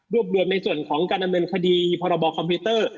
รวมในส่วนของการดำเนินคดีพรบคอมพิวเตอร์